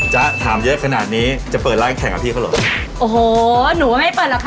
ถามเยอะขนาดนี้จะเปิดร้านแข่งกับพี่เขาเหรอโอ้โหหนูว่าไม่เปิดหรอกค่ะ